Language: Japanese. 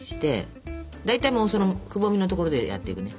大体そのくぼみの所でやっていくね。